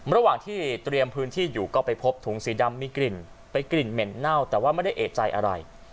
ระหว่างที่เตรียมพื้นที่อยู่ก็ไปพบถุงสีดำมีกลิ่นเป็นกลิ่นเหม็นเน่าแต่ว่าไม่ได้เอกใจอะไร